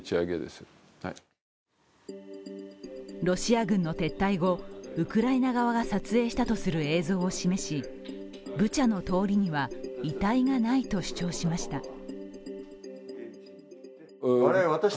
ロシア軍の撤退後、ウクライナ側が撮影したとされる映像を示し、ブチャの通りには遺体がないと主張しました。